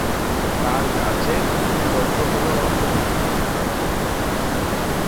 তার কাজের মূল লক্ষ্য হলো অর্থনীতিতে উন্নয়ন।